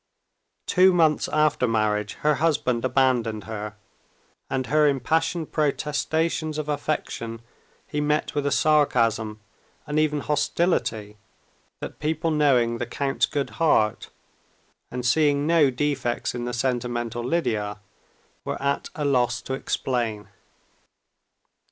Two months after marriage her husband abandoned her, and her impassioned protestations of affection he met with a sarcasm and even hostility that people knowing the count's good heart, and seeing no defects in the sentimental Lidia, were at a loss to explain.